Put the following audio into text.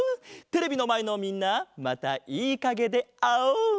テレビのまえのみんなまたいいかげであおう！